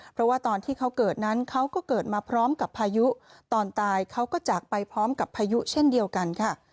เพราะว่าตอนที่เขาเกิดนั้นเขาก็เกิดมาพร้อมกับพายุตอนตายเขาก็จากไปพร้อมกับพายุเช่นเดียวกันค่ะ